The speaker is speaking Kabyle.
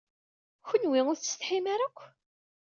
Kenwi ur tettsetḥim ara akk?